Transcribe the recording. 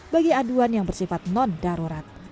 bagi aduan yang bersifat non darurat